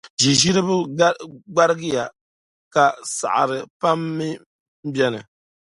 Ʒiʒiriba gbarigiya; ka saɣiri pam mi beni.